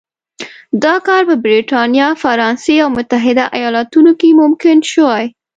دا کار په برېټانیا، فرانسې او متحده ایالتونو کې ممکن شوی.